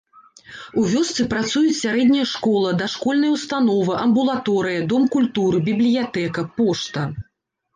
У вёсцы працуюць сярэдняя школа, дашкольная ўстанова, амбулаторыя, дом культуры, бібліятэка, пошта.